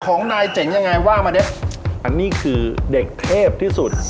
ของนายเจ๋งยังไงว่ามาเนี่ยอันนี้คือเด็กเทพที่สุด